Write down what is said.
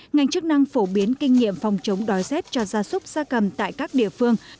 ngành chức năng phổ biến kinh nghiệm phòng chống đói rét cho gia súc gia cầm tại các địa phương